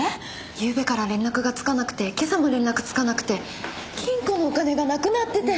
ゆうべから連絡がつかなくて今朝も連絡つかなくて金庫のお金がなくなってて。